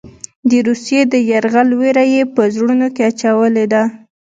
د روسیې د یرغل وېره یې په زړونو کې اچولې ده.